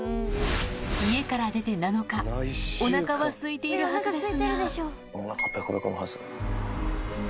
家から出て７日、おなかはすいているはずですが。